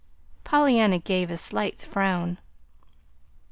Pollyanna gave a slight frown.